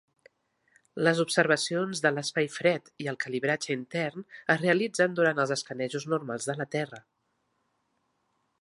Les observacions de l'espai fred i el calibratge intern es realitzen durant els escanejos normals de la Terra.